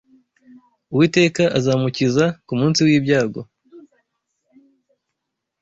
Uwiteka azamukiza ku munsi w’ibyago